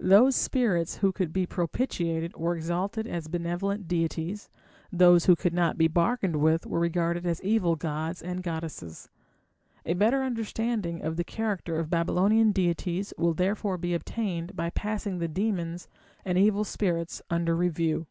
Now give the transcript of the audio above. Those spirits who could be propitiated were exalted as benevolent deities; those who could not be bargained with were regarded as evil gods and goddesses. A better understanding of the character of Babylonian deities will therefore be obtained by passing the demons and evil spirits under review.